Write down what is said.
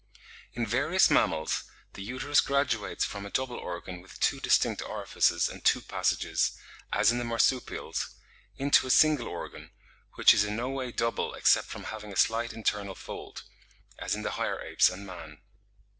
In various mammals the uterus graduates from a double organ with two distinct orifices and two passages, as in the marsupials, into a single organ, which is in no way double except from having a slight internal fold, as in the higher apes and man.